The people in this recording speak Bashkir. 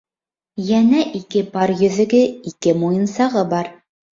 Иәнә ике пар йөҙөгө, ике муйынсағы бар.